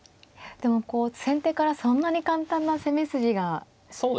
でもこう先手からそんなに簡単な攻め筋が。